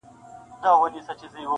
د پښتو اشعار يې دُر لعل و مرجان کړه,